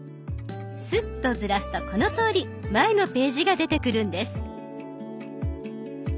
スッとずらすとこのとおり前のページが出てくるんです。